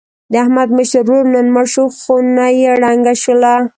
د احمد مشر ورور نن مړ شو. خونه یې ړنګه شوله.